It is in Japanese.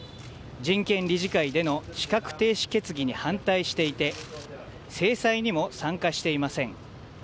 人権理事会での資格停止決議に反対していて制裁にも参加していません。